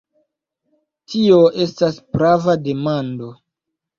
Tio estas prava demando.